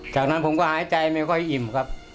จากนั้นผมก็หายใจไม่ค่อยอิ่มครับ